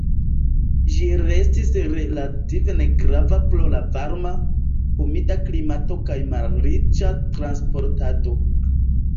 Ĝi restis relative negrava pro la varma, humida klimato kaj malriĉa transportado.